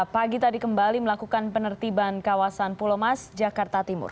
pagi tadi kembali melakukan penertiban kawasan pulomas jakarta timur